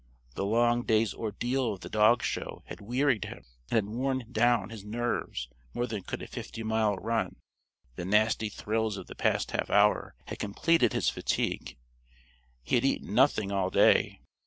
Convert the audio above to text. The long day's ordeal of the dog show had wearied him and had worn down his nerves more than could a fifty mile run. The nasty thrills of the past half hour had completed his fatigue. He had eaten nothing all day.